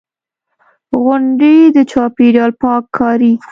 غونډې، د چاپېریال پاک کاري.